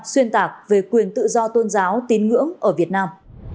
xuyên tạc về quyền tự do tôn giáo tín ngưỡng ở việt nam